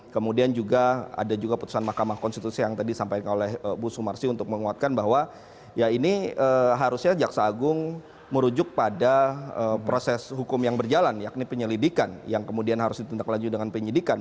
kemudian juga ada juga putusan mahkamah konstitusi yang tadi disampaikan oleh bu sumarsi untuk menguatkan bahwa ya ini harusnya jaksa agung merujuk pada proses hukum yang berjalan yakni penyelidikan yang kemudian harus ditindaklanjut dengan penyidikan